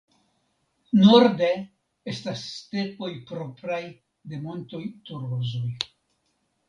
Norde estas stepoj propraj de Montoj Torozoj.